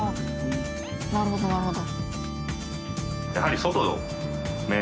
なるほどなるほど。